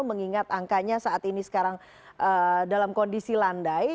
mengingat angkanya saat ini sekarang dalam kondisi landai